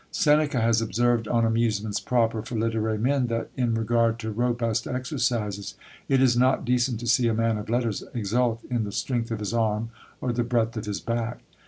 Seneca has observed on amusements proper for literary men, that, in regard to robust exercises, it is not decent to see a man of letters exult in the strength of his arm, or the breadth of his back!